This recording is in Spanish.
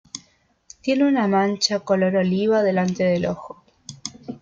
Tiene una mancha color oliva delante del ojo.